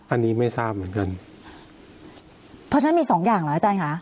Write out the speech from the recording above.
อันนี้ไม่ทราบเหมือนกันเพราะฉะนั้นมีสองอย่างเหรออาจารย์ค่ะ